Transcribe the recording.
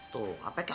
tuh apa ya kan